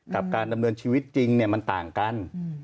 กับการดำเนินชีวิตจริงมันต่างกัน